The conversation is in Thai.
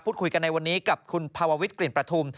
คุยกันในวันนี้กับคุณภาววิทกลิ่นประทุม